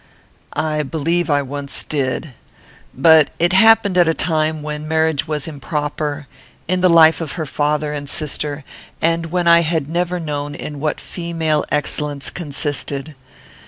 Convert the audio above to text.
"I believe I once did; but it happened at a time when marriage was improper; in the life of her father and sister, and when I had never known in what female excellence consisted.